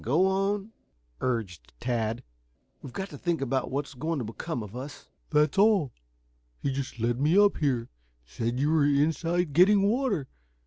"Go on," urged Tad. "We've got to think about what's going to become of us." "That's all. He just led me up here. Said you were inside getting water.